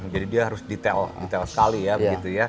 jadi dia harus detail sekali ya